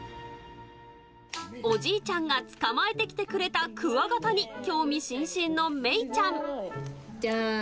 おじいちゃんが捕まえてきてくれたクワガタに興味津々のめいちゃじゃーん！